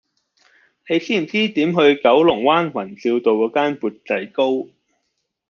你知唔知點去九龍灣宏照道嗰間缽仔糕